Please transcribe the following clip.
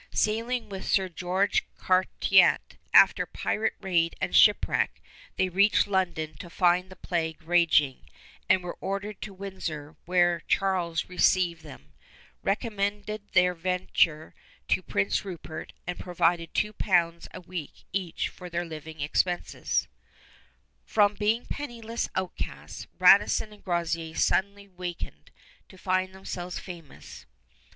Sailing with Sir George Carterett, after pirate raid and shipwreck, they reached London to find the plague raging, and were ordered to Windsor, where Charles received them, recommended their venture to Prince Rupert, and provided 2 pounds a week each for their living expenses. [Illustration: Charles II] From being penniless outcasts, Radisson and Groseillers suddenly wakened to find themselves famous.